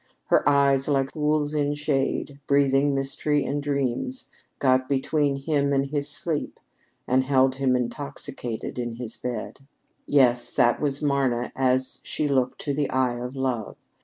Her eyes, like pools in shade, breathing mystery and dreams, got between him and his sleep and held him intoxicated in his bed. Yes, that was Marna as she looked to the eye of love.